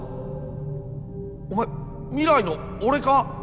お前未来の俺か？